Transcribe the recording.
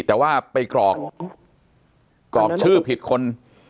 แต่ว่าไปกรอกกรอกชื่อผิดคน